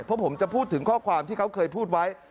เพราะผมจะพูดถึงข้อความที่เขาเคยพูดไว้